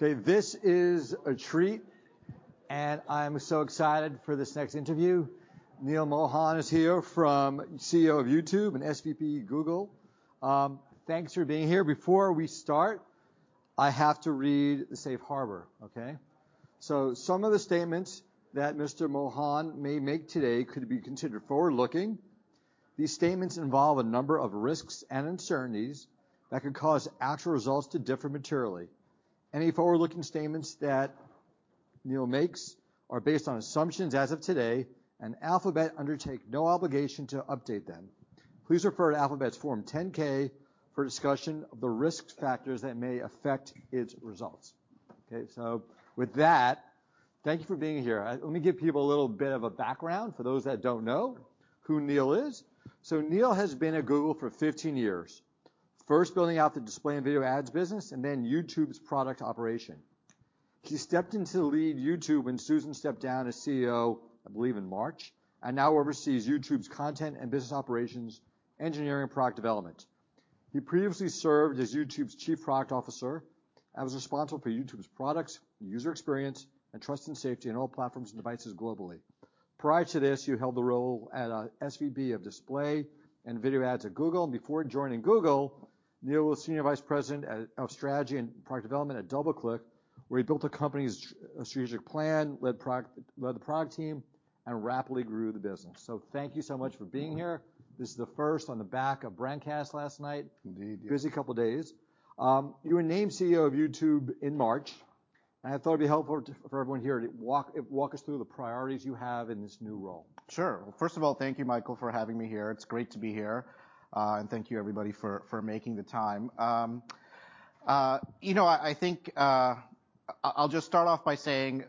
Okay, this is a treat, and I'm so excited for this next interview. Neal Mohan is here as CEO of YouTube and SVP at Google. Thanks for being here. Before we start, I have to read the safe harbor, okay? So, some of the statements that Mr. Mohan may make today could be considered forward-looking. These statements involve a number of risks and uncertainties that could cause actual results to differ materially. Any forward-looking statements that Neal makes are based on assumptions as of today, and Alphabet undertakes no obligation to update them. Please refer to Alphabet's Form 10-K for discussion of the risk factors that may affect its results. Okay, so with that, thank you for being here. Let me give people a little bit of a background for those that don't know who Neal is. Neal has been at Google for 15 years, first building out the display and video ads business and then YouTube's product operation. He stepped into the lead at YouTube when Susan stepped down as CEO, I believe, in March, and now oversees YouTube's content and business operations, engineering, and product development. He previously served as YouTube's Chief Product Officer and was responsible for YouTube's products, user experience, and trust and safety on all platforms and devices globally. Prior to this, he held the role of SVP of display and video ads at Google. Before joining Google, Neal was Senior Vice President of Strategy and Product Development at DoubleClick, where he built the company's strategic plan, led the product team, and rapidly grew the business. Thank you so much for being here. This is the first on the back of Brandcast last night. Indeed, yeah. Busy couple of days. You were named CEO of YouTube in March, and I thought it'd be helpful for everyone here to walk us through the priorities you have in this new role. Sure. Well, first of all, thank you, Michael, for having me here. It's great to be here. And thank you, everybody, for making the time. You know, I think, I'll just start off by saying,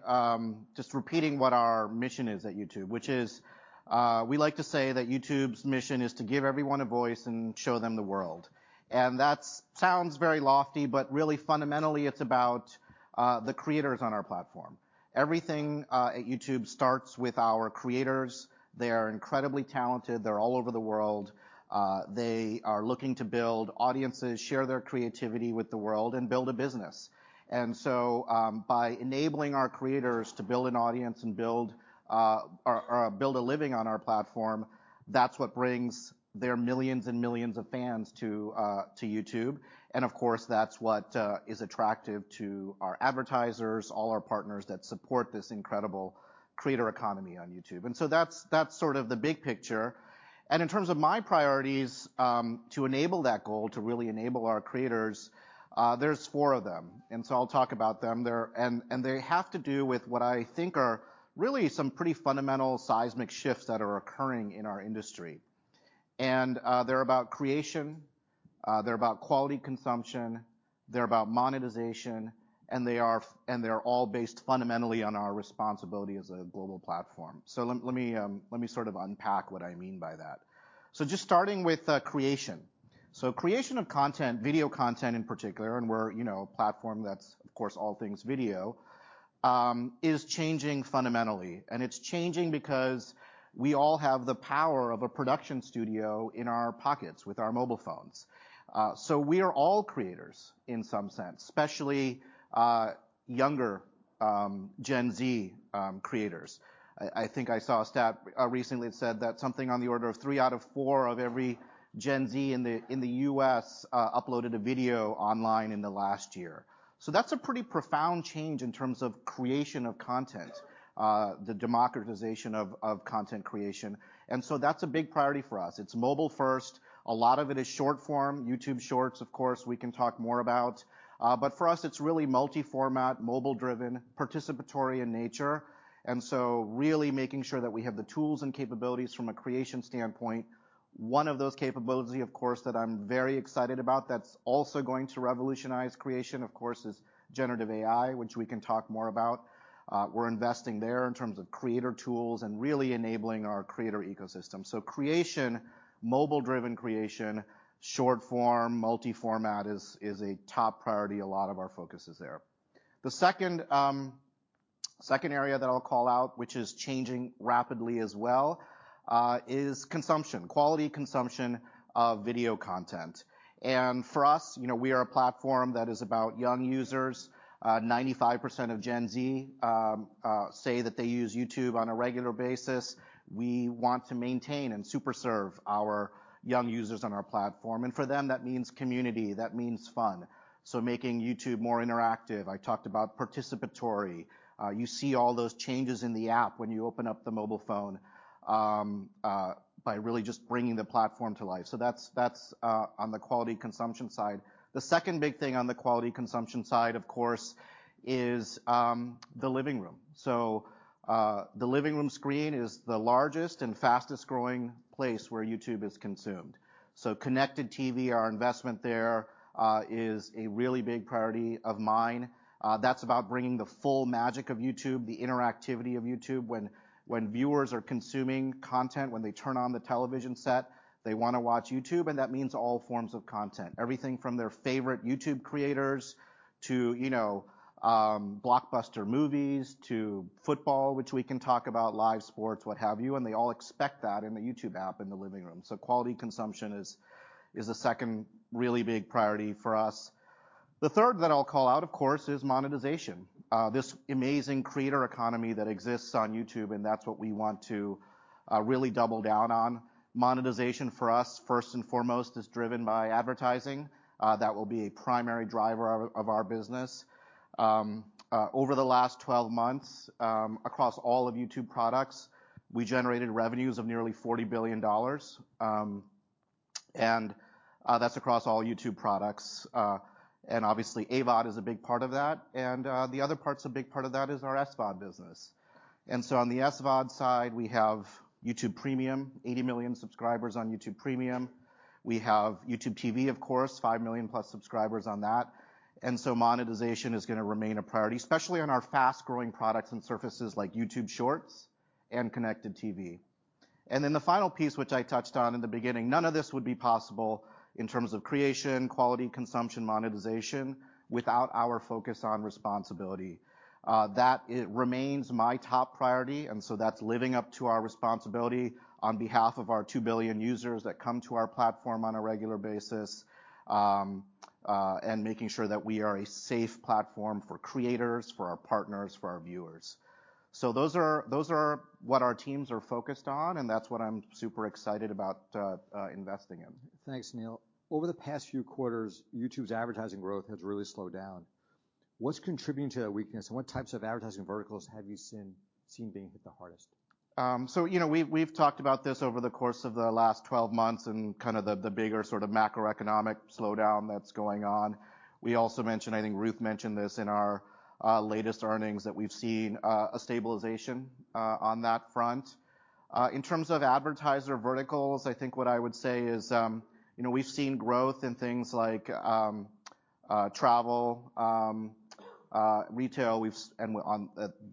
just repeating what our mission is at YouTube, which is, we like to say that YouTube's mission is to give everyone a voice and show them the world. And that sounds very lofty, but really, fundamentally, it's about the creators on our platform. Everything at YouTube starts with our creators. They are incredibly talented. They're all over the world. They are looking to build audiences, share their creativity with the world, and build a business. And so, by enabling our creators to build an audience and build a living on our platform, that's what brings their millions and millions of fans to YouTube. And of course, that's what is attractive to our advertisers, all our partners that support this incredible creator economy on YouTube. And so that's sort of the big picture. And in terms of my priorities, to enable that goal, to really enable our creators, there's four of them. And so I'll talk about them. They're and they have to do with what I think are really some pretty fundamental seismic shifts that are occurring in our industry. And they're about creation. They're about quality consumption. They're about monetization. And they're all based fundamentally on our responsibility as a global platform. So let me sort of unpack what I mean by that. So just starting with creation. So creation of content, video content in particular, and we're, you know, a platform that's, of course, all things video, is changing fundamentally. It's changing because we all have the power of a production studio in our pockets with our mobile phones, so we are all creators in some sense, especially younger Gen Z creators. I think I saw a stat recently that said that something on the order of three out of four of every Gen Z in the U.S. uploaded a video online in the last year, so that's a pretty profound change in terms of creation of content, the democratization of content creation, and so that's a big priority for us. It's mobile-first. A lot of it is short-form. YouTube Shorts, of course, we can talk more about, but for us, it's really multi-format, mobile-driven, participatory in nature, and so really making sure that we have the tools and capabilities from a creation standpoint. One of those capabilities, of course, that I'm very excited about that's also going to revolutionize creation, of course, is generative AI, which we can talk more about. We're investing there in terms of creator tools and really enabling our creator ecosystem. So creation, mobile-driven creation, short form, multi-format is a top priority. A lot of our focus is there. The second area that I'll call out, which is changing rapidly as well, is consumption, quality consumption of video content. And for us, you know, we are a platform that is about young users. 95% of Gen Z say that they use YouTube on a regular basis. We want to maintain and superserve our young users on our platform. And for them, that means community. That means fun. So making YouTube more interactive. I talked about participatory. You see all those changes in the app when you open up the mobile phone, by really just bringing the platform to life. So that's on the quality consumption side. The second big thing on the quality consumption side, of course, is the living room. So the living room screen is the largest and fastest-growing place where YouTube is consumed. So Connected TV, our investment there, is a really big priority of mine. That's about bringing the full magic of YouTube, the interactivity of YouTube. When viewers are consuming content, when they turn on the television set, they want to watch YouTube. And that means all forms of content, everything from their favorite YouTube creators to, you know, blockbuster movies to football, which we can talk about, live sports, what have you. And they all expect that in the YouTube app in the living room. So quality consumption is a second really big priority for us. The third that I'll call out, of course, is monetization, this amazing creator economy that exists on YouTube. And that's what we want to really double down on. Monetization for us, first and foremost, is driven by advertising. That will be a primary driver of our business. Over the last 12 months, across all of YouTube products, we generated revenues of nearly $40 billion. And that's across all YouTube products. And obviously, AVOD is a big part of that. And the other part that's a big part of that is our SVOD business. And so on the SVOD side, we have YouTube Premium, 80 million subscribers on YouTube Premium. We have YouTube TV, of course, 5 million-plus subscribers on that. And so monetization is going to remain a priority, especially on our fast-growing products and services like YouTube Shorts and connected TV. And then the final piece, which I touched on in the beginning, none of this would be possible in terms of creation, quality consumption, monetization without our focus on responsibility, that it remains my top priority. And so that's living up to our responsibility on behalf of our 2 billion users that come to our platform on a regular basis, and making sure that we are a safe platform for creators, for our partners, for our viewers. So those are what our teams are focused on. And that's what I'm super excited about, investing in. Thanks, Neal. Over the past few quarters, YouTube's advertising growth has really slowed down. What's contributing to that weakness? And what types of advertising verticals have you seen being hit the hardest? So, you know, we've talked about this over the course of the last 12 months and kind of the bigger sort of macroeconomic slowdown that's going on. We also mentioned. I think Ruth mentioned this in our latest earnings that we've seen a stabilization on that front. In terms of advertiser verticals, I think what I would say is, you know, we've seen growth in things like travel, retail,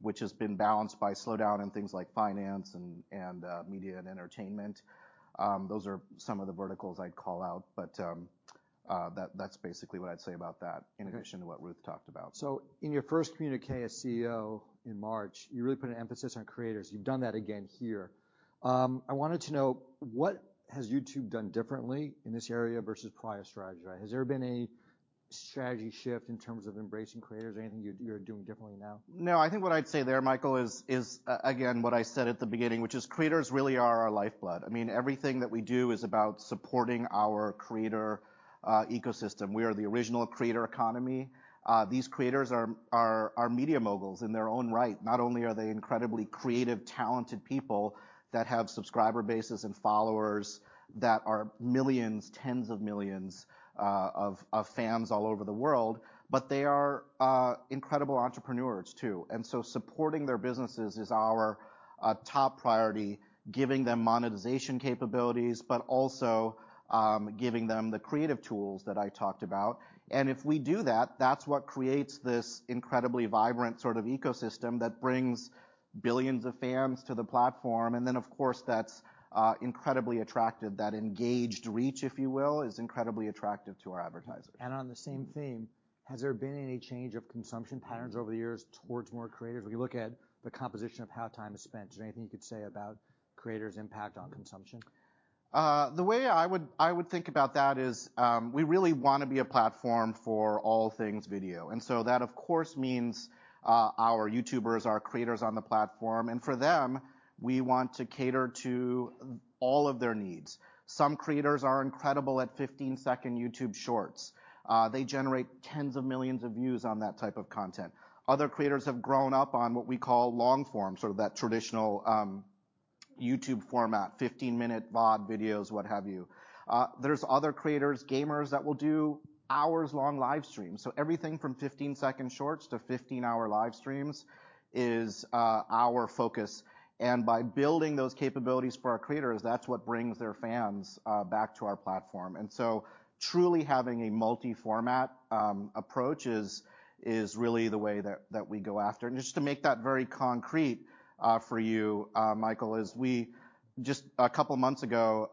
which has been balanced by slowdown in things like finance and media and entertainment. Those are some of the verticals I'd call out. But that's basically what I'd say about that in addition to what Ruth talked about. So in your first communiqué as CEO in March, you really put an emphasis on creators. You've done that again here. I wanted to know, what has YouTube done differently in this area versus prior strategy? Has there been a strategy shift in terms of embracing creators or anything you're doing differently now? No, I think what I'd say there, Michael, is, again, what I said at the beginning, which is creators really are our lifeblood. I mean, everything that we do is about supporting our creator ecosystem. We are the original creator economy. These creators are media moguls in their own right. Not only are they incredibly creative, talented people that have subscriber bases and followers that are millions, tens of millions, of fans all over the world, but they are incredible entrepreneurs too, and so supporting their businesses is our top priority, giving them monetization capabilities, but also giving them the creative tools that I talked about, and if we do that, that's what creates this incredibly vibrant sort of ecosystem that brings billions of fans to the platform, and then, of course, that's incredibly attractive. That engaged reach, if you will, is incredibly attractive to our advertisers. And on the same theme, has there been any change of consumption patterns over the years towards more creators? When you look at the composition of how time is spent, is there anything you could say about creators' impact on consumption? The way I would think about that is, we really want to be a platform for all things video. And so that, of course, means, our YouTubers, our creators on the platform. And for them, we want to cater to all of their needs. Some creators are incredible at 15-second YouTube Shorts. They generate tens of millions of views on that type of content. Other creators have grown up on what we call long-form, sort of that traditional, YouTube format, 15-minute VOD videos, what have you. There's other creators, gamers, that will do hours-long live streams. So everything from 15-second Shorts to 15-hour live streams is, our focus. And by building those capabilities for our creators, that's what brings their fans, back to our platform. And so truly having a multi-format, approach is really the way that we go after. Just to make that very concrete for you, Michael, as we just a couple of months ago,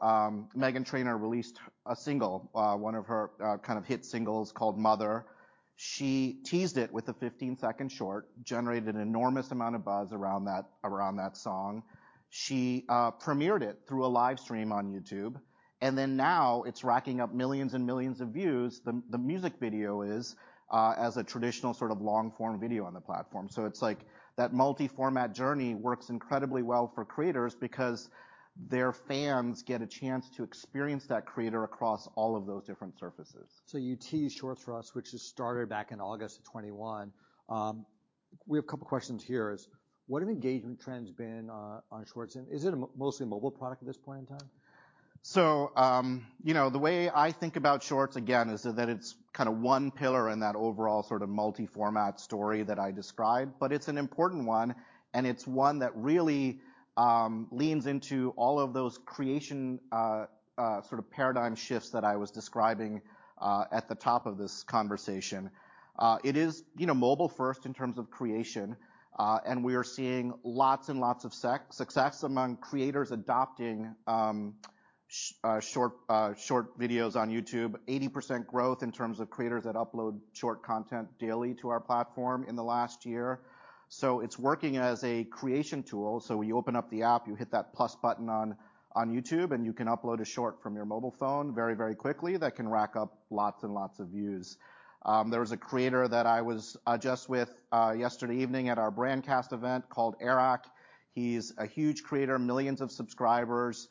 Meghan Trainor released a single, one of her kind of hit singles called Mother. She teased it with a 15-second Short, generated an enormous amount of buzz around that song. She premiered it through a live stream on YouTube. And then now it's racking up millions and millions of views. The music video is, as a traditional sort of long-form video on the platform. So it's like that multi-format journey works incredibly well for creators because their fans get a chance to experience that creator across all of those different surfaces. So you teased Shorts for us, which has started back in August of 2021. We have a couple of questions here. What have engagement trends been on Shorts? And is it a mostly mobile product at this point in time? So, you know, the way I think about Shorts, again, is that it's kind of one pillar in that overall sort of multi-format story that I described. But it's an important one. And it's one that really leans into all of those creation, sort of paradigm shifts that I was describing, at the top of this conversation. It is, you know, mobile-first in terms of creation. And we are seeing lots and lots of success among creators adopting Short, Short videos on YouTube, 80% growth in terms of creators that upload Short content daily to our platform in the last year. So it's working as a creation tool. So you open up the app, you hit that plus button on YouTube, and you can upload a Short from your mobile phone very, very quickly that can rack up lots and lots of views. There was a creator that I was just with yesterday evening at our Brandcast event called Airrack. He's a huge creator, millions of subscribers.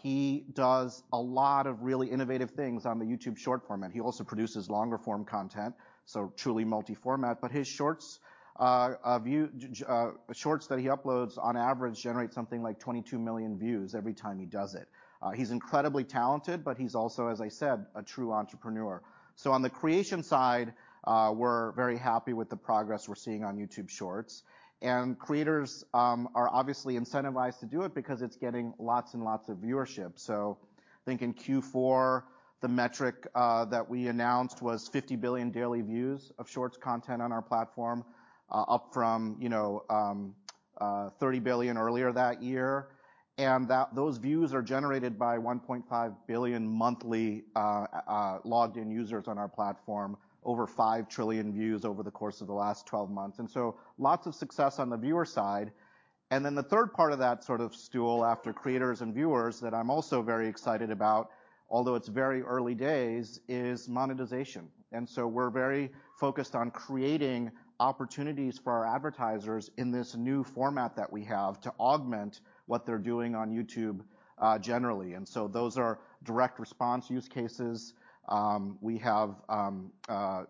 He does a lot of really innovative things on the YouTube Shorts format. He also produces longer-form content, so truly multi-format. But his Shorts views, Shorts that he uploads on average generate something like 22 million views every time he does it. He's incredibly talented, but he's also, as I said, a true entrepreneur. So on the creation side, we're very happy with the progress we're seeing on YouTube Shorts. And creators are obviously incentivized to do it because it's getting lots and lots of viewership. I think in Q4, the metric that we announced was 50 billion daily views of Shorts content on our platform, up from, you know, 30 billion earlier that year. And that those views are generated by 1.5 billion monthly logged-in users on our platform, over 5 trillion views over the course of the last 12 months. And so lots of success on the viewer side. And then the third part of that sort of stool after creators and viewers that I'm also very excited about, although it's very early days, is monetization. And so we're very focused on creating opportunities for our advertisers in this new format that we have to augment what they're doing on YouTube generally. And so those are direct response use cases we have,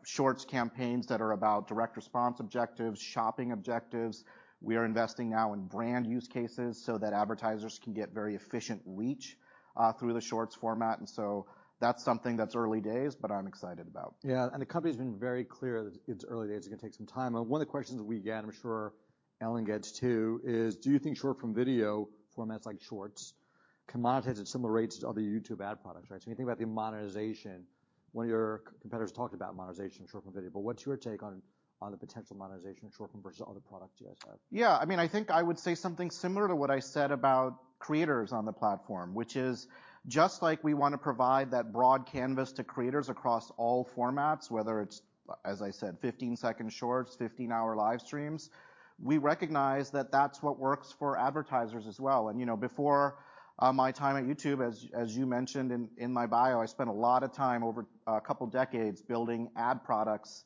Shorts campaigns that are about direct response objectives, shopping objectives. We are investing now in brand use cases so that advertisers can get very efficient reach through the Shorts format. And so that's something that's early days, but I'm excited about. Yeah. And the company's been very clear that it's early days. It's going to take some time. And one of the questions we get, I'm sure Ellen gets too, is, do you think short-form video formats like Shorts can monetize at similar rates to other YouTube ad products? Right? So when you think about the monetization, one of your competitors talked about monetization of short-form video. But what's your take on the potential monetization of short-form versus other products you guys have? Yeah. I mean, I think I would say something similar to what I said about creators on the platform, which is just like we want to provide that broad canvas to creators across all formats, whether it's, as I said, 15-second Shorts, 15-hour live streams. We recognize that that's what works for advertisers as well. And, you know, before my time at YouTube, as you mentioned in my bio, I spent a lot of time over a couple of decades building ad products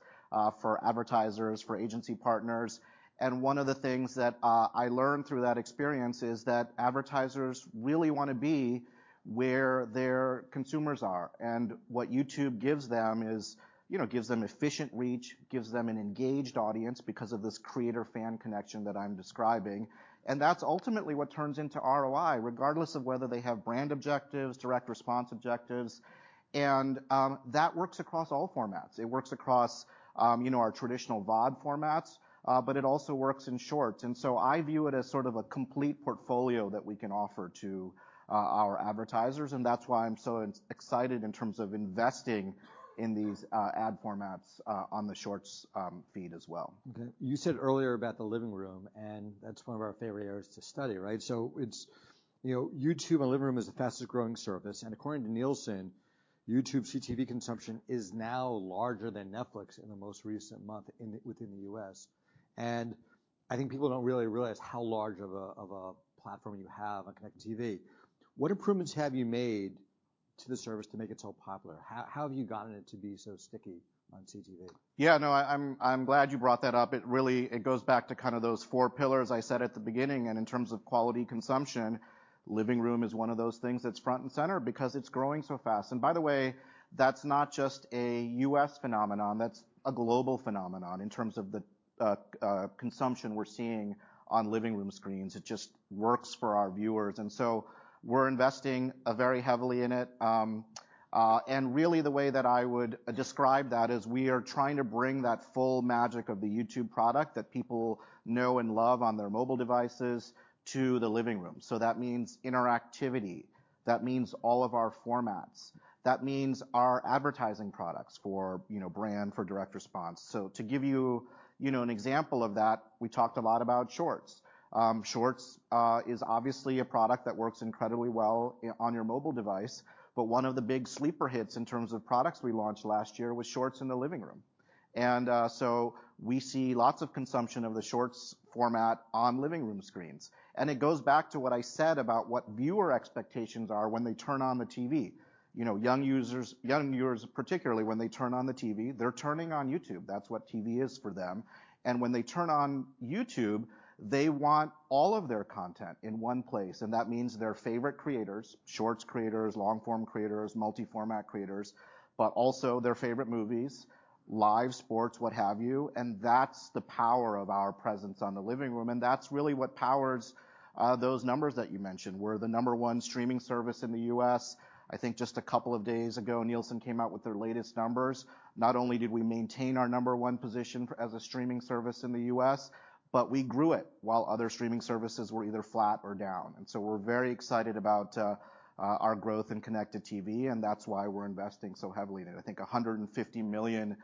for advertisers, for agency partners. And one of the things that I learned through that experience is that advertisers really want to be where their consumers are. And what YouTube gives them is, you know, gives them efficient reach, gives them an engaged audience because of this creator-fan connection that I'm describing. And that's ultimately what turns into ROI, regardless of whether they have brand objectives, direct response objectives. And that works across all formats. It works across, you know, our traditional VOD formats. But it also works in Shorts. And so I view it as sort of a complete portfolio that we can offer to our advertisers. And that's why I'm so excited in terms of investing in these ad formats on the Shorts feed as well. Okay. You said earlier about the living room. And that's one of our favorite areas to study. Right? So it's, you know, YouTube and living room is the fastest-growing service. And according to Nielsen, YouTube's CTV consumption is now larger than Netflix in the most recent month in the U.S. And I think people don't really realize how large of a platform you have on connected TV. What improvements have you made to the service to make it so popular? How have you gotten it to be so sticky on CTV? Yeah. No, I'm glad you brought that up. It really goes back to kind of those four pillars I said at the beginning. In terms of quality consumption, living room is one of those things that's front and center because it's growing so fast. And by the way, that's not just a U.S. phenomenon. That's a global phenomenon in terms of the consumption we're seeing on living room screens. It just works for our viewers. And so we're investing very heavily in it. And really the way that I would describe that is we are trying to bring that full magic of the YouTube product that people know and love on their mobile devices to the living room. So that means interactivity. That means all of our formats. That means our advertising products for, you know, brand, for direct response. So to give you, you know, an example of that, we talked a lot about Shorts. Shorts is obviously a product that works incredibly well on your mobile device. But one of the big sleeper hits in terms of products we launched last year was Shorts in the living room. And so we see lots of consumption of the Shorts format on living room screens. And it goes back to what I said about what viewer expectations are when they turn on the TV. You know, young users, young viewers, particularly when they turn on the TV, they're turning on YouTube. That's what TV is for them. And when they turn on YouTube, they want all of their content in one place. And that means their favorite creators, Shorts creators, long-form creators, multi-format creators, but also their favorite movies, live sports, what have you. That's the power of our presence on the living room. That's really what powers those numbers that you mentioned. We're the number one streaming service in the U.S. I think just a couple of days ago, Nielsen came out with their latest numbers. Not only did we maintain our number one position as a streaming service in the U.S., but we grew it while other streaming services were either flat or down. We're very excited about our growth in connected TV. That's why we're investing so heavily in it. I think 150 million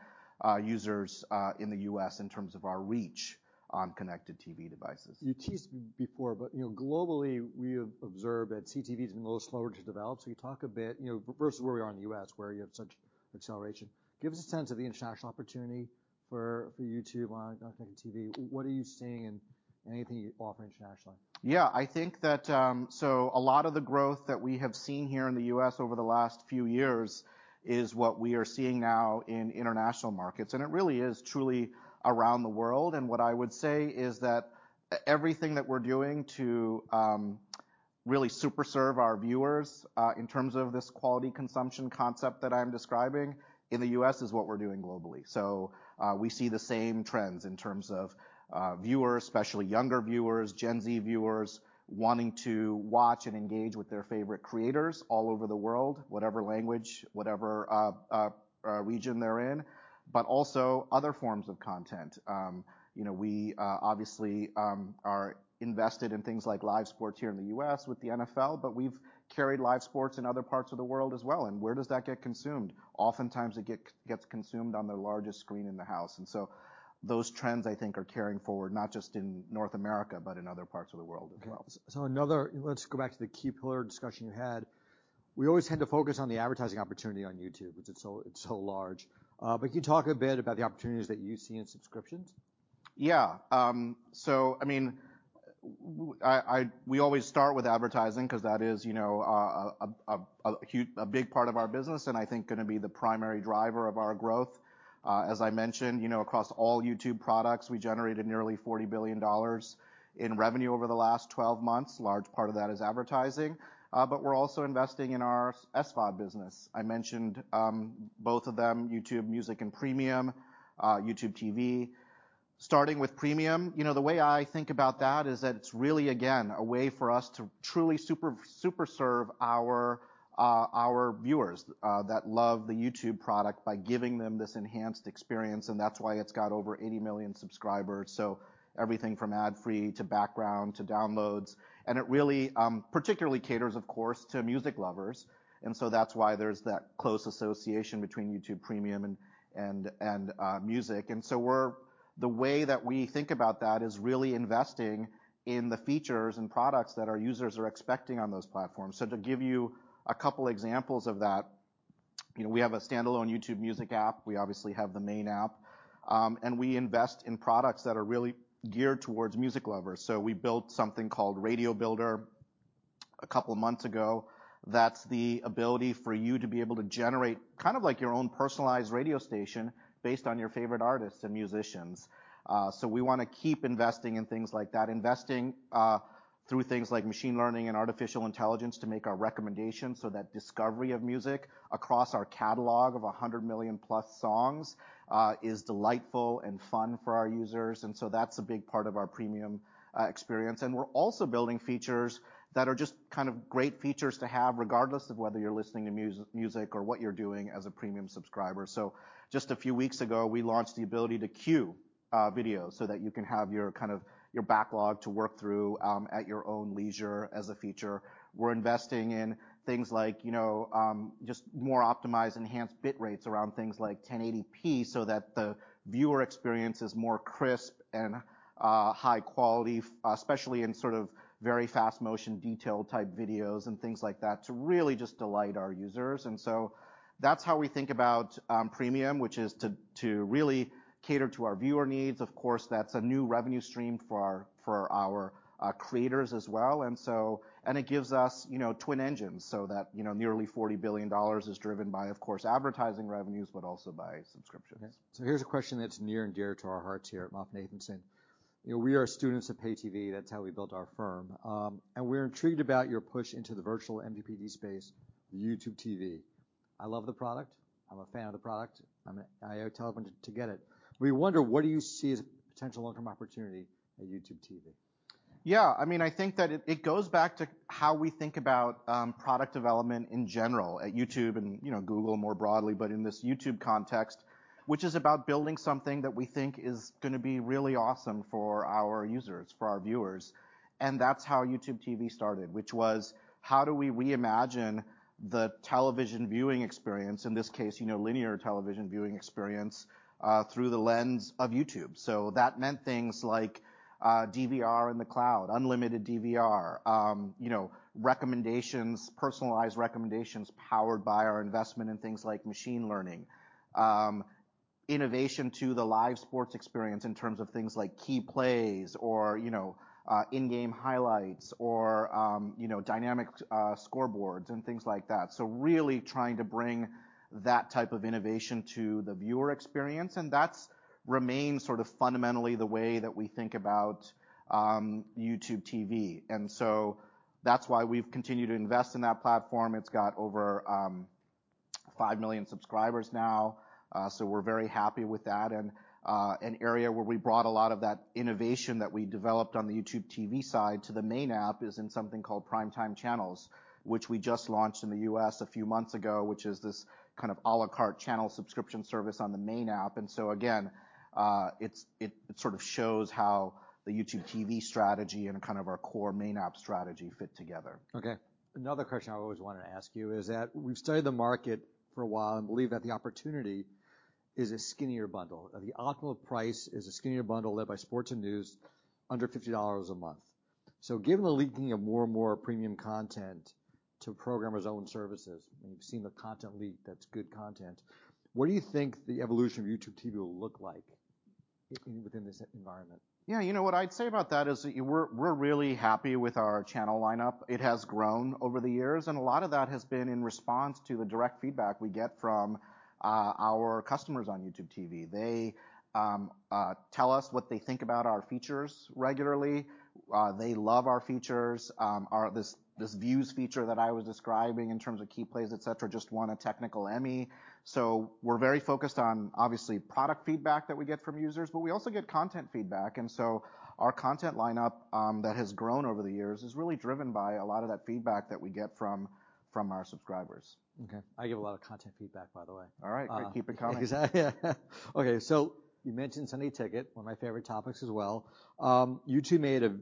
users in the U.S. in terms of our reach on connected TV devices. You teased before, but, you know, globally, we have observed that CTV has been a little slower to develop. So you talk a bit, you know, versus where we are in the U.S., where you have such acceleration. Give us a sense of the international opportunity for YouTube on Connected TV. What are you seeing and anything you offer internationally? Yeah. I think that, so a lot of the growth that we have seen here in the U.S. over the last few years is what we are seeing now in international markets. And it really is truly around the world. And what I would say is that everything that we're doing to really superserve our viewers, in terms of this quality consumption concept that I'm describing in the U.S. is what we're doing globally. So, we see the same trends in terms of viewers, especially younger viewers, Gen Z viewers wanting to watch and engage with their favorite creators all over the world, whatever language, whatever region they're in, but also other forms of content, you know. We obviously are invested in things like live sports here in the U.S. with the NFL. But we've carried live sports in other parts of the world as well. Where does that get consumed? Oftentimes, it gets consumed on the largest screen in the house. Those trends, I think, are carrying forward not just in North America, but in other parts of the world as well. So, another. Let's go back to the key pillar discussion you had. We always tend to focus on the advertising opportunity on YouTube, which is, so, it's so large. But can you talk a bit about the opportunities that you see in subscriptions? Yeah. So, I mean, we always start with advertising because that is, you know, a huge, big part of our business and I think going to be the primary driver of our growth. As I mentioned, you know, across all YouTube products, we generated nearly $40 billion in revenue over the last 12 months. A large part of that is advertising, but we're also investing in our SVOD business. I mentioned both of them, YouTube Music and Premium, YouTube TV. Starting with Premium, you know, the way I think about that is that it's really, again, a way for us to truly superserve our viewers that love the YouTube product by giving them this enhanced experience, and that's why it's got over 80 million subscribers, so everything from ad-free to background to downloads, and it really, particularly caters, of course, to music lovers. And so that's why there's that close association between YouTube Premium and Music. And so, the way that we think about that is really investing in the features and products that our users are expecting on those platforms. So to give you a couple of examples of that, you know, we have a standalone YouTube Music app. We obviously have the main app, and we invest in products that are really geared towards music lovers. So we built something called Radio Builder a couple of months ago that's the ability for you to be able to generate kind of like your own personalized radio station based on your favorite artists and musicians. So we want to keep investing in things like that through things like machine learning and artificial intelligence to make our recommendations so that discovery of music across our catalog of 100 million-plus songs is delightful and fun for our users, and so that's a big part of our Premium experience, and we're also building features that are just kind of great features to have regardless of whether you're listening to music or what you're doing as a Premium subscriber, so just a few weeks ago, we launched the ability to queue videos so that you can have your kind of backlog to work through at your own leisure as a feature. We're investing in things like, you know, just more optimized enhanced bit rates around things like 1080p so that the viewer experience is more crisp and high quality, especially in sort of very fast-motion detailed type videos and things like that to really just delight our users. And so that's how we think about Premium, which is to really cater to our viewer needs. Of course, that's a new revenue stream for our creators as well. And so it gives us, you know, twin engines so that, you know, nearly $40 billion is driven by, of course, advertising revenues, but also by subscriptions. Yeah. So here's a question that's near and dear to our hearts here at MoffetNathanson. You know, we are students of Pay TV. That's how we built our firm, and we're intrigued about your push into the virtual MVPD space, the YouTube TV. I love the product. I'm a fan of the product. I'm an early adopter to get it. We wonder, what do you see as a potential long-term opportunity at YouTube TV? Yeah. I mean, I think that it goes back to how we think about product development in general at YouTube and, you know, Google more broadly, but in this YouTube context, which is about building something that we think is going to be really awesome for our users, for our viewers, and that's how YouTube TV started, which was how do we reimagine the television viewing experience, in this case, you know, linear television viewing experience, through the lens of YouTube, so that meant things like DVR in the cloud, unlimited DVR, you know, recommendations, personalized recommendations powered by our investment in things like machine learning, innovation to the live sports experience in terms of things like key plays or, you know, in-game highlights or, you know, dynamic scoreboards and things like that, so really trying to bring that type of innovation to the viewer experience. And that's remained sort of fundamentally the way that we think about YouTube TV. And so that's why we've continued to invest in that platform. It's got over 5 million subscribers now, so we're very happy with that. And an area where we brought a lot of that innovation that we developed on the YouTube TV side to the main app is in something called Primetime Channels, which we just launched in the U.S. a few months ago, which is this kind of à la carte channel subscription service on the main app. And so again, it sort of shows how the YouTube TV strategy and kind of our core main app strategy fit together. Okay. Another question I always wanted to ask you is that we've studied the market for a while and believe that the opportunity is a skinnier bundle. The optimal price is a skinnier bundle led by Sports and News under $50 a month. So given the leaking of more and more premium content to programmers' own services, and you've seen the content leak, that's good content. What do you think the evolution of YouTube TV will look like within this environment? Yeah. You know, what I'd say about that is that we're really happy with our channel lineup. It has grown over the years, and a lot of that has been in response to the direct feedback we get from our customers on YouTube TV. They tell us what they think about our features regularly. They love our features. Our Multiview feature that I was describing in terms of key plays, et cetera, just won a technical Emmy, so we're very focused on, obviously, product feedback that we get from users, but we also get content feedback, and so our content lineup, that has grown over the years, is really driven by a lot of that feedback that we get from our subscribers. Okay. I get a lot of content feedback, by the way. All right. Keep it coming. Okay. So you mentioned Sunday Ticket, one of my favorite topics as well. YouTube made a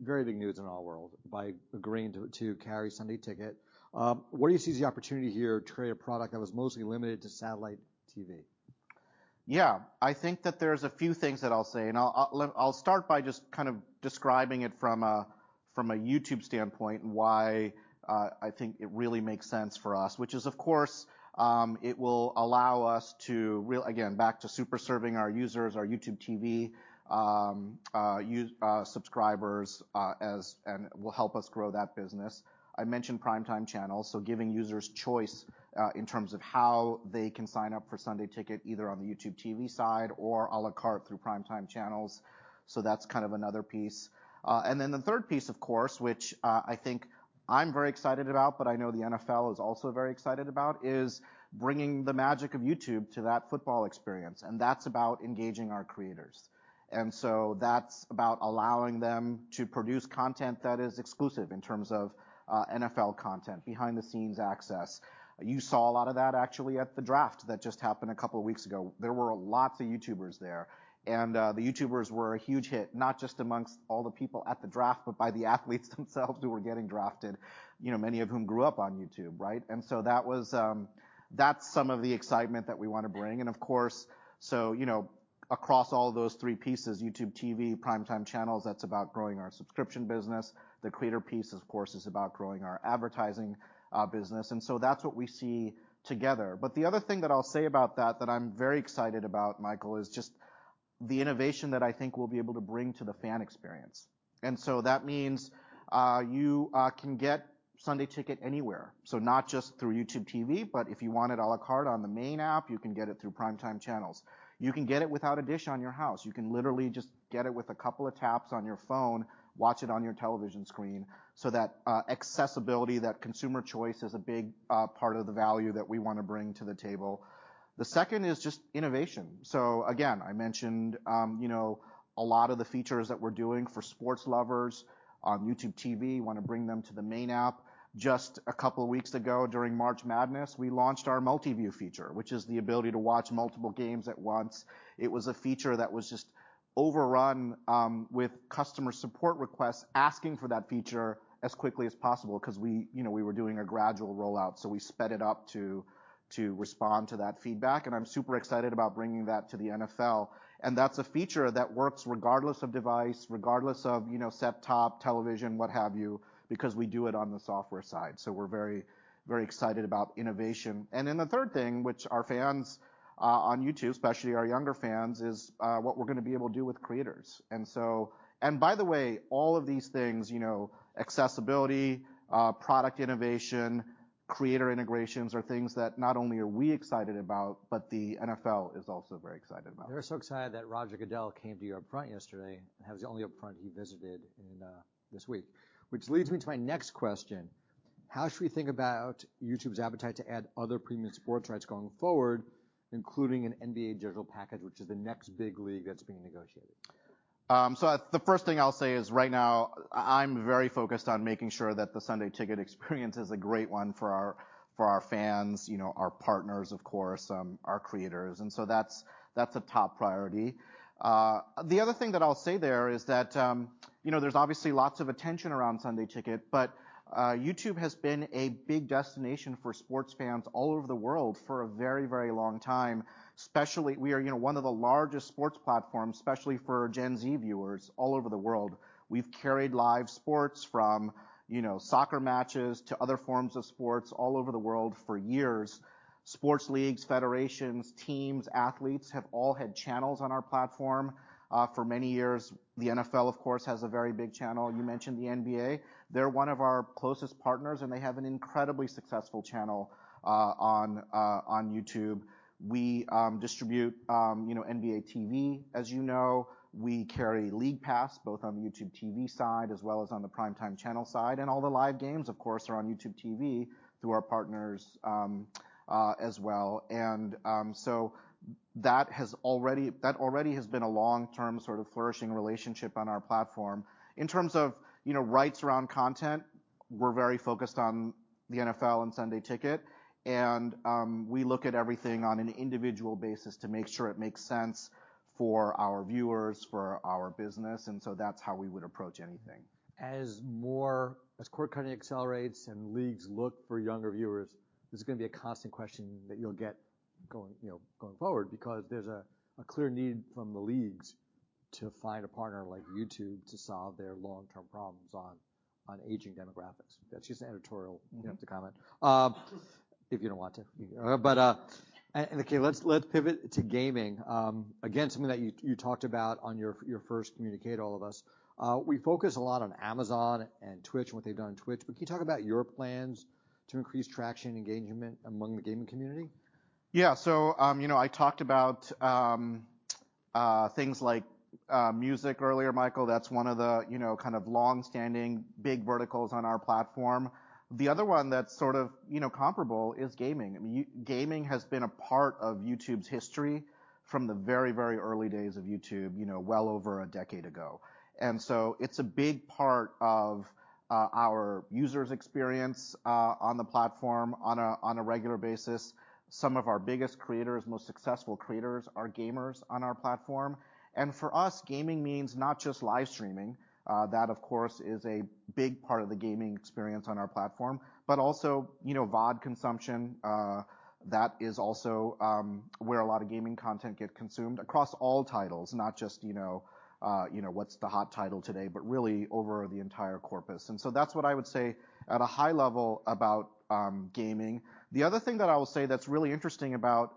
very big news in all worlds by agreeing to carry Sunday Ticket. What do you see as the opportunity here to create a product that was mostly limited to satellite TV? Yeah. I think that there's a few things that I'll say. And I'll start by just kind of describing it from a YouTube standpoint and why, I think it really makes sense for us, which is, of course, it will allow us to really again, back to superserving our users, our YouTube TV subscribers, and will help us grow that business. I mentioned Primetime Channels, so giving users choice, in terms of how they can sign up for Sunday Ticket either on the YouTube TV side or à la carte through Primetime Channels. So that's kind of another piece, and then the third piece, of course, which, I think I'm very excited about, but I know the NFL is also very excited about, is bringing the magic of YouTube to that football experience, and that's about engaging our creators. And so that's about allowing them to produce content that is exclusive in terms of NFL content, behind-the-scenes access. You saw a lot of that actually at the draft that just happened a couple of weeks ago. There were lots of YouTubers there. And the YouTubers were a huge hit, not just amongst all the people at the draft, but by the athletes themselves who were getting drafted, you know, many of whom grew up on YouTube, right? And so that was, that's some of the excitement that we want to bring. And of course, so, you know, across all those three pieces, YouTube TV, Primetime Channels, that's about growing our subscription business. The creator piece, of course, is about growing our advertising business. And so that's what we see together. But the other thing that I'll say about that that I'm very excited about, Michael, is just the innovation that I think we'll be able to bring to the fan experience. And so that means you can get Sunday Ticket anywhere. So not just through YouTube TV, but if you want it à la carte on the main app, you can get it through Primetime Channels. You can get it without a dish on your house. You can literally just get it with a couple of taps on your phone, watch it on your television screen. So that accessibility, that consumer choice is a big part of the value that we want to bring to the table. The second is just innovation. So again, I mentioned you know a lot of the features that we're doing for sports lovers on YouTube TV, want to bring them to the main app. Just a couple of weeks ago during March Madness, we launched our Multiview feature, which is the ability to watch multiple games at once. It was a feature that was just overrun with customer support requests asking for that feature as quickly as possible because we, you know, we were doing a gradual rollout. So we sped it up to respond to that feedback. And I'm super excited about bringing that to the NFL. And that's a feature that works regardless of device, regardless of, you know, set-top television, what have you, because we do it on the software side. So we're very, very excited about innovation. And then the third thing, which our fans on YouTube, especially our younger fans, is what we're going to be able to do with creators. By the way, all of these things, you know, accessibility, product innovation, creator integrations are things that not only are we excited about, but the NFL is also very excited about. They're so excited that Roger Goodell came to your upfront yesterday and that was the only upfront he visited in this week, which leads me to my next question. How should we think about YouTube's appetite to add other Premium sports rights going forward, including an NBA digital package, which is the next big league that's being negotiated? So the first thing I'll say is right now, I'm very focused on making sure that the Sunday Ticket experience is a great one for our fans, you know, our partners, of course, our creators. And so that's a top priority. The other thing that I'll say there is that, you know, there's obviously lots of attention around Sunday Ticket, but YouTube has been a big destination for sports fans all over the world for a very, very long time, especially we are, you know, one of the largest sports platforms, especially for Gen Z viewers all over the world. We've carried live sports from, you know, soccer matches to other forms of sports all over the world for years. Sports leagues, federations, teams, athletes have all had channels on our platform for many years. The NFL, of course, has a very big channel. You mentioned the NBA. They're one of our closest partners, and they have an incredibly successful channel on YouTube. We distribute, you know, NBA TV, as you know. We carry League Pass both on the YouTube TV side as well as on the Primetime Channel side. All the live games, of course, are on YouTube TV through our partners, as well. That has already been a long-term sort of flourishing relationship on our platform. In terms of, you know, rights around content, we're very focused on the NFL and Sunday Ticket. We look at everything on an individual basis to make sure it makes sense for our viewers, for our business. That's how we would approach anything. As more cord cutting accelerates and leagues look for younger viewers, this is going to be a constant question that you'll get going, you know, going forward because there's a clear need from the leagues to find a partner like YouTube to solve their long-term problems on aging demographics. That's just an editorial comment, if you don't want to, but and okay, let's pivot to gaming. Again, something that you talked about on your first Communicate All of Us. We focus a lot on Amazon and Twitch and what they've done on Twitch, but can you talk about your plans to increase traction and engagement among the gaming community? Yeah. So, you know, I talked about things like music earlier, Michael. That's one of the, you know, kind of long-standing big verticals on our platform. The other one that's sort of, you know, comparable is gaming. I mean, gaming has been a part of YouTube's history from the very, very early days of YouTube, you know, well over a decade ago. And so it's a big part of our users' experience on the platform on a regular basis. Some of our biggest creators, most successful creators are gamers on our platform. And for us, gaming means not just live streaming. That, of course, is a big part of the gaming experience on our platform, but also, you know, VOD consumption. That is also where a lot of gaming content gets consumed across all titles, not just, you know, what's the hot title today, but really over the entire corpus. And so that's what I would say at a high level about gaming. The other thing that I will say that's really interesting about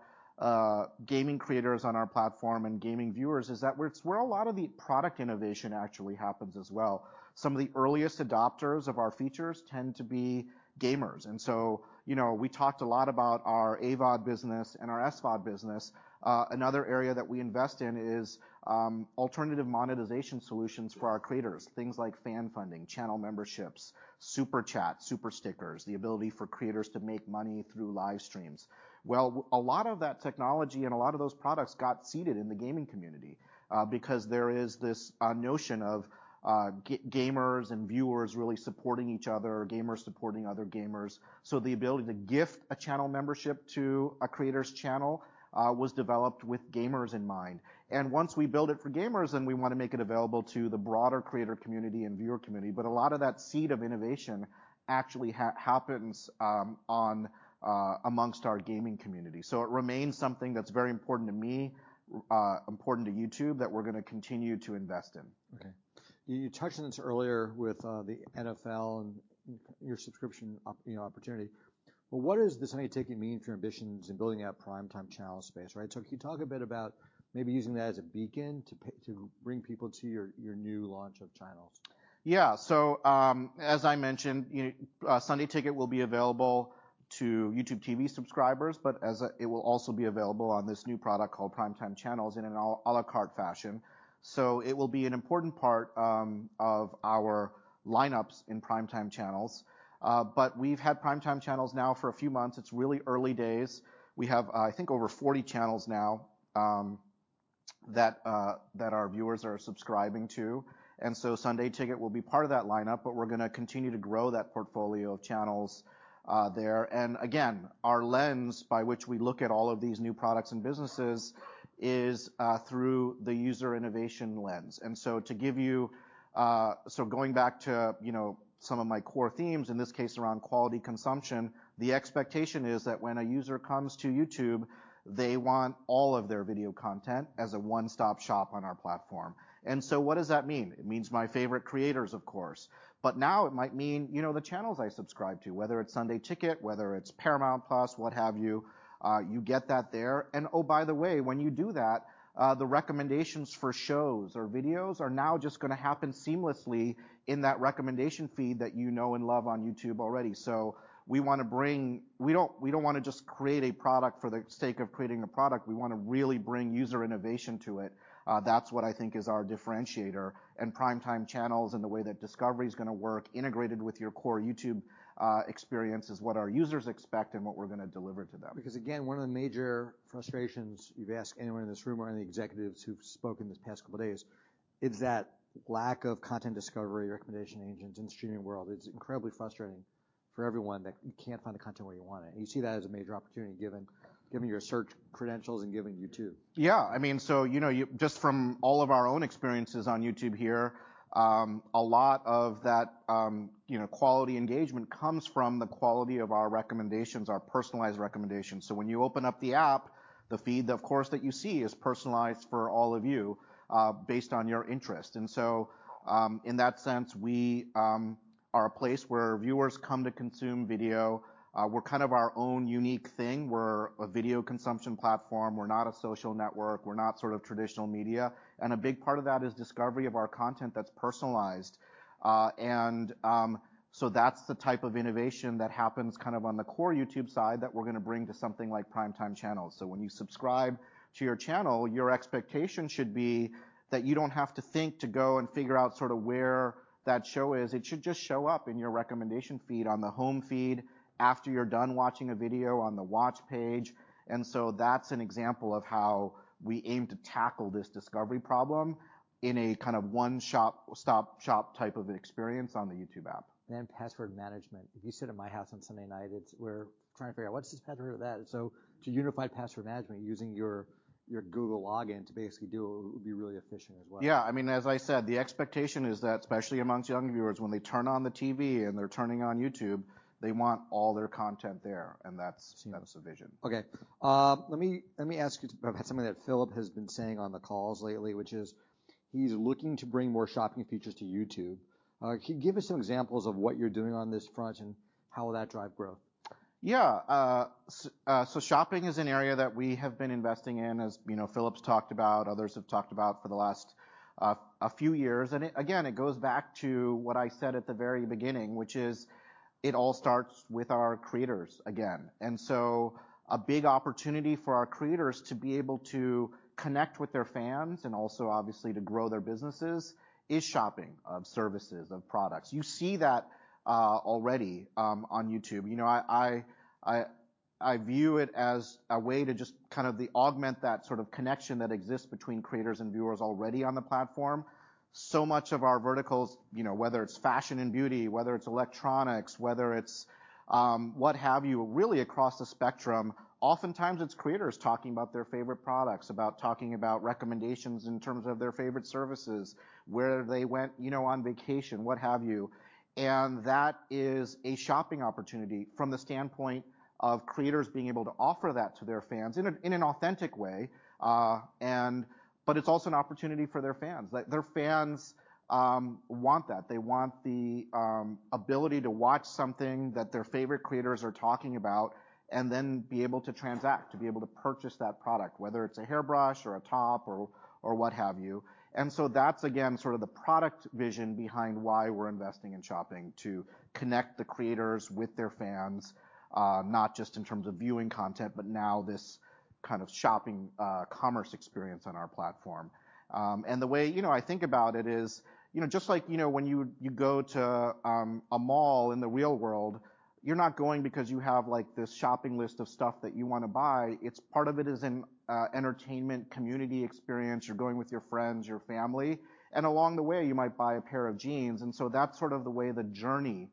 gaming creators on our platform and gaming viewers is that it's where a lot of the product innovation actually happens as well. Some of the earliest adopters of our features tend to be gamers. And so, you know, we talked a lot about our AVOD business and our SVOD business. Another area that we invest in is alternative monetization solutions for our creators, things like fan funding, channel memberships, Super Chat, Super Stickers, the ability for creators to make money through live streams. A lot of that technology and a lot of those products got seeded in the gaming community, because there is this notion of gamers and viewers really supporting each other, gamers supporting other gamers. So the ability to gift a channel membership to a creator's channel was developed with gamers in mind. And once we build it for gamers, then we want to make it available to the broader creator community and viewer community. But a lot of that seed of innovation actually happens on amongst our gaming community. So it remains something that's very important to me, important to YouTube, that we're going to continue to invest in. Okay. You touched on this earlier with the NFL and your subscription, you know, opportunity. But what does the Sunday Ticket mean for ambitions in building out Primetime Channels space, right? So can you talk a bit about maybe using that as a beacon to bring people to your new launch of channels? Yeah. So, as I mentioned, you know, Sunday Ticket will be available to YouTube TV subscribers, but it will also be available on this new product called Primetime Channels in an à la carte fashion. So it will be an important part of our lineup in Primetime Channels. But we've had Primetime Channels now for a few months. It's really early days. We have, I think, over 40 channels now that our viewers are subscribing to. And so Sunday Ticket will be part of that lineup, but we're going to continue to grow that portfolio of channels there. And again, our lens by which we look at all of these new products and businesses is through the user innovation lens. Going back to, you know, some of my core themes, in this case around quality consumption, the expectation is that when a user comes to YouTube, they want all of their video content as a one-stop shop on our platform. And so what does that mean? It means my favorite creators, of course. But now it might mean, you know, the channels I subscribe to, whether it's Sunday Ticket, whether it's Paramount Plus, what have you. You get that there. And oh, by the way, when you do that, the recommendations for shows or videos are now just going to happen seamlessly in that recommendation feed that you know and love on YouTube already. So we want to bring. We don't want to just create a product for the sake of creating a product. We want to really bring user innovation to it. That's what I think is our differentiator, and Primetime Channels and the way that discovery is going to work integrated with your core YouTube experience is what our users expect and what we're going to deliver to them. Because again, one of the major frustrations you've asked anyone in this room or any executives who've spoken this past couple of days is that lack of content discovery, recommendation agents in the streaming world is incredibly frustrating for everyone that you can't find the content where you want it. And you see that as a major opportunity given your search credentials and given YouTube. Yeah. I mean, so, you know, just from all of our own experiences on YouTube here, a lot of that, you know, quality engagement comes from the quality of our recommendations, our personalized recommendations. So when you open up the app, the feed, of course, that you see is personalized for all of you, based on your interest. And so, in that sense, we, are a place where viewers come to consume video. We're kind of our own unique thing. We're a video consumption platform. We're not a social network. We're not sort of traditional media. And a big part of that is discovery of our content that's personalized. And so that's the type of innovation that happens kind of on the core YouTube side that we're going to bring to something like Primetime Channels. When you subscribe to your channel, your expectation should be that you don't have to think to go and figure out sort of where that show is. It should just show up in your recommendation feed on the Home feed after you're done watching a video on the watch page. That's an example of how we aim to tackle this discovery problem in a kind of one-stop shop type of experience on the YouTube app. Then password management. If you sit at my house on Sunday night, it's, we're trying to figure out what's this password for that. So to unify password management using your Google login to basically do it would be really efficient as well. Yeah. I mean, as I said, the expectation is that especially among young viewers, when they turn on the TV and they're turning on YouTube, they want all their content there, and that's the vision. Okay. Let me ask you about something that Philipp has been saying on the calls lately, which is he's looking to bring more shopping features to YouTube. Can you give us some examples of what you're doing on this front and how will that drive growth? Yeah. So shopping is an area that we have been investing in, as you know, Philipp's talked about, others have talked about for the last few years, and again, it goes back to what I said at the very beginning, which is it all starts with our creators again, and so a big opportunity for our creators to be able to connect with their fans and also, obviously, to grow their businesses is shopping of services, of products. You see that already on YouTube. You know, I view it as a way to just kind of augment that sort of connection that exists between creators and viewers already on the platform. So much of our verticals, you know, whether it's fashion and beauty, whether it's electronics, whether it's, what have you, really across the spectrum, oftentimes it's creators talking about their favorite products, talking about recommendations in terms of their favorite services, where they went, you know, on vacation, what have you. And that is a shopping opportunity from the standpoint of creators being able to offer that to their fans in an authentic way. But it's also an opportunity for their fans. Their fans want that. They want the ability to watch something that their favorite creators are talking about and then be able to transact, to be able to purchase that product, whether it's a hairbrush or a top or what have you. And so that's, again, sort of the product vision behind why we're investing in shopping to connect the creators with their fans, not just in terms of viewing content, but now this kind of shopping, commerce experience on our platform. And the way, you know, I think about it is, you know, just like, you know, when you go to, a mall in the real world, you're not going because you have, like, this shopping list of stuff that you want to buy. It's part of it, an entertainment community experience. You're going with your friends, your family. And along the way, you might buy a pair of jeans. And so that's sort of the way the journey,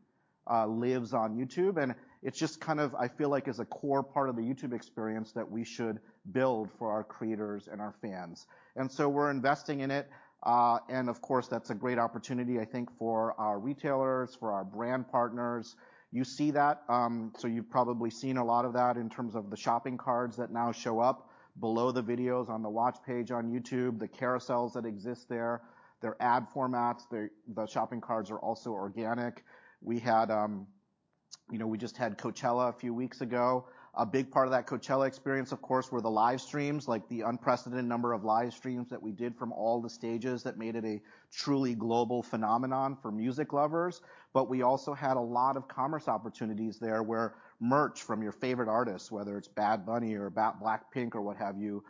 lives on YouTube. And it's just kind of, I feel like, is a core part of the YouTube experience that we should build for our creators and our fans. And so we're investing in it. And of course, that's a great opportunity, I think, for our retailers, for our brand partners. You see that. So you've probably seen a lot of that in terms of the shopping cards that now show up below the videos on the watch page on YouTube, the carousels that exist there, their ad formats. The shopping cards are also organic. We had, you know, we just had Coachella a few weeks ago. A big part of that Coachella experience, of course, were the live streams, like the unprecedented number of live streams that we did from all the stages that made it a truly global phenomenon for music lovers. But we also had a lot of commerce opportunities there where merch from your favorite artists, whether it's Bad Bunny or Blackpink or what have you,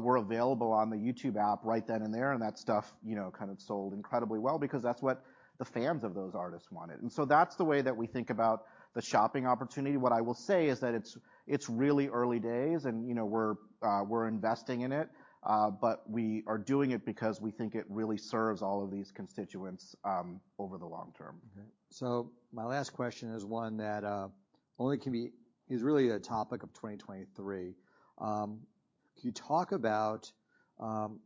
were available on the YouTube app right then and there. And that stuff, you know, kind of sold incredibly well because that's what the fans of those artists wanted. And so that's the way that we think about the shopping opportunity. What I will say is that it's really early days and, you know, we're investing in it, but we are doing it because we think it really serves all of these constituents over the long term. Okay, so my last question is one that really is a topic of 2023. Can you talk about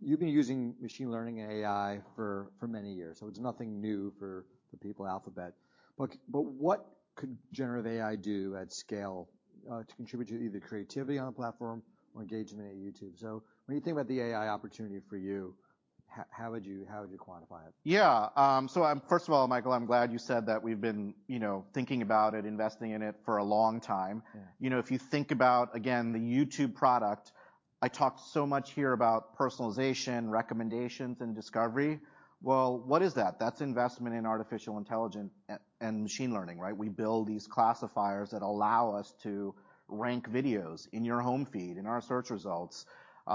you've been using machine learning and AI for many years, so it's nothing new for the people at Alphabet, but what could generative AI do at scale to contribute to either creativity on the platform or engagement at YouTube, so when you think about the AI opportunity for you, how would you quantify it? Yeah. So I'm first of all, Michael, I'm glad you said that we've been, you know, thinking about it, investing in it for a long time. You know, if you think about, again, the YouTube product, I talked so much here about personalization, recommendations, and discovery. Well, what is that? That's investment in artificial intelligence and machine learning, right? We build these classifiers that allow us to rank videos in your home feed, in our search results.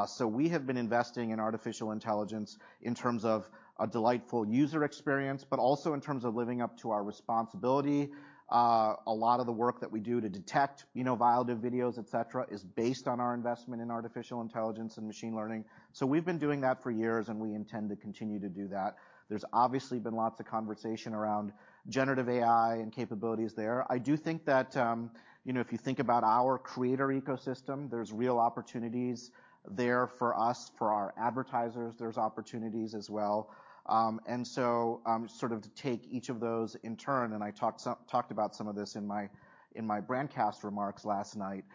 So we have been investing in artificial intelligence in terms of a delightful user experience, but also in terms of living up to our responsibility. A lot of the work that we do to detect, you know, violative videos, et cetera, is based on our investment in artificial intelligence and machine learning. So we've been doing that for years and we intend to continue to do that. There's obviously been lots of conversation around generative AI and capabilities there. I do think that, you know, if you think about our creator ecosystem, there's real opportunities there for us, for our advertisers. There's opportunities as well, and so, sort of to take each of those in turn, and I talked about some of this in my Brandcast remarks last night,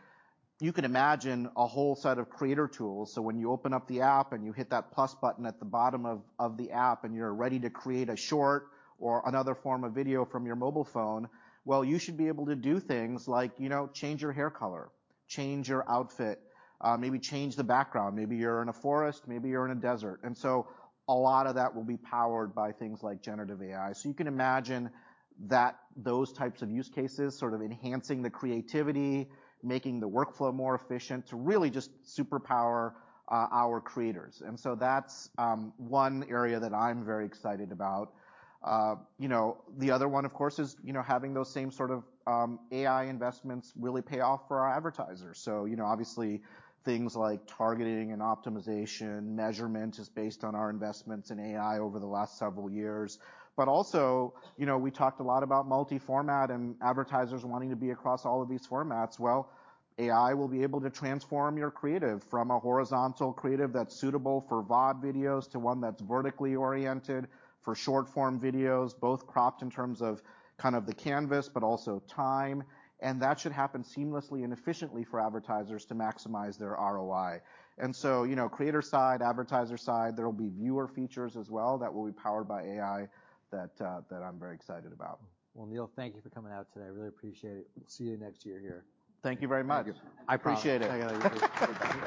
you can imagine a whole set of creator tools, so when you open up the app and you hit that plus button at the bottom of the app and you're ready to create a Short or another form of video from your mobile phone, well, you should be able to do things like, you know, change your hair color, change your outfit, maybe change the background. Maybe you're in a forest, maybe you're in a desert. And so a lot of that will be powered by things like generative AI. So you can imagine that those types of use cases, sort of enhancing the creativity, making the workflow more efficient to really just superpower our creators. And so that's one area that I'm very excited about. You know, the other one, of course, is you know, having those same sort of AI investments really pay off for our advertisers. So you know, obviously, things like targeting and optimization, measurement is based on our investments in AI over the last several years. But also, you know, we talked a lot about multi-format and advertisers wanting to be across all of these formats. AI will be able to transform your creative from a horizontal creative that's suitable for VOD videos to one that's vertically oriented for short-form videos, both cropped in terms of kind of the canvas, but also time. And that should happen seamlessly and efficiently for advertisers to maximize their ROI. And so, you know, creator side, advertiser side, there will be viewer features as well that will be powered by AI that I'm very excited about. Neal, thank you for coming out today. I really appreciate it. We'll see you next year here. Thank you very much. I appreciate it.